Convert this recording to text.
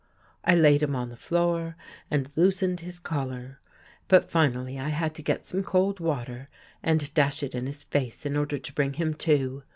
I laid him on the floor and loosened his collar. But finally I had to get some cold water and dash it in his face in order to bring him to.